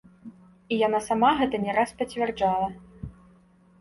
І яна сама гэта не раз пацвярджала.